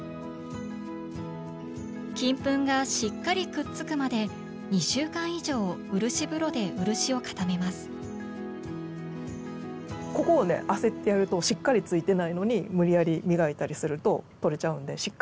金粉がしっかりくっつくまでここをね焦ってやるとしっかりついてないのに無理やり磨いたりすると取れちゃうんでしっかりひっついてから。